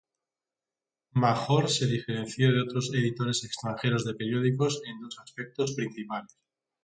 Major se diferenció de otros editores extranjeros de periódicos en dos aspectos principales.